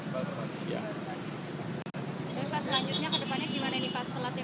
pak selanjutnya ke depannya gimana nih pak